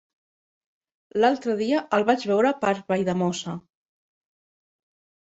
L'altre dia el vaig veure per Valldemossa.